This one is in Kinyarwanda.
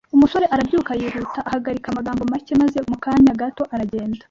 Umusore arabyuka yihuta, ahagarika amagambo make maze mu kanya gato aragenda.